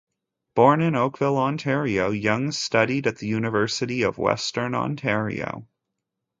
Born in Oakville, Ontario, Young studied at the University of Western Ontario.